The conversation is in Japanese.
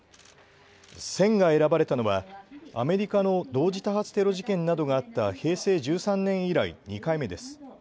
戦が選ばれたのはアメリカの同時多発テロ事件などがあった平成１３年以来、２回目です。